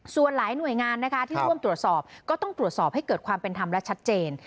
ส่วนหลายหน่วยงานนะคะที่ร่วมตรวจสอบก็ต้องตรวจสอบให้เกิดความเป็นธรรมและชัดเจน